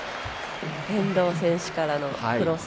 遠藤選手からの、クロス。